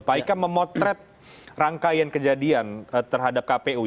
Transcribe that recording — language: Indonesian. pak ika memotret rangkaian kejadian terhadap kpu